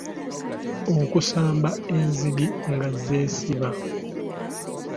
okusamba enzigi nga zeesiba